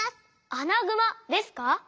アナグマですか？